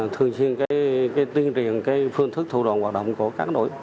thường xuyên cái tiến triển cái phương thức thủ đoàn hoạt động của các đội